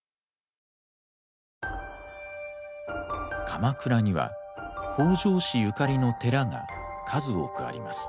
鎌倉には北条氏ゆかりの寺が数多くあります。